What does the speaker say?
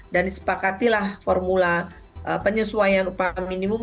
dan disepakatilah formula penyesuaian upah minimum